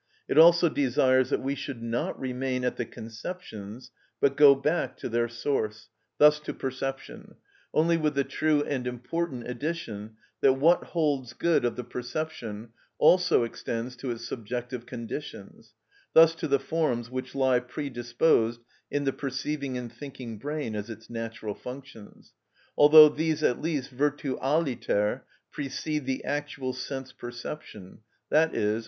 It also desires that we should not remain at the conceptions, but go back to their source, thus to perception; only with the true and important addition that what holds good of the perception also extends to its subjective conditions, thus to the forms which lie predisposed in the perceiving and thinking brain as its natural functions; although these at least virtualiter precede the actual sense perception, _i.e.